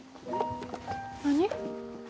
何？